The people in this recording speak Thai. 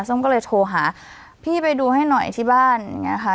ก็เลยโทรหาพี่ไปดูให้หน่อยที่บ้านอย่างนี้ค่ะ